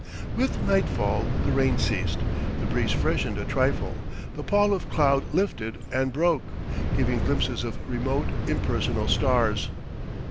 With nightfall, the rain ceased, the breeze freshened a trifle, the pall of cloud lifted and broke, giving glimpses of remote, impersonal stars.